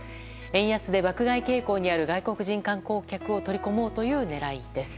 円安で爆買い傾向にある外国人観光客を取り込もうという狙いです。